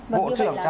bộ trưởng trả lời